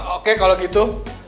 oke kalau gitu